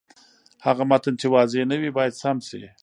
هغه متن چې واضح نه وي، باید سم شي.